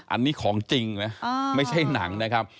อันนี้ของจริงนะไม่ใช่หนังนะครับ